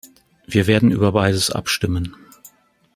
Wir werden über beides abstimmen.